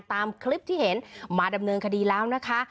ตามคลิปที่เห็นมาดำเนินคดีแล้วนะคะ